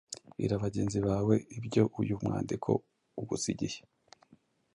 Bwira bagenzi bawe ibyo uyu mwandiko ugusigiye